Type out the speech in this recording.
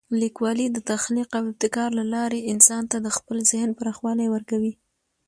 لیکوالی د تخلیق او ابتکار له لارې انسان ته د خپل ذهن پراخوالی ورکوي.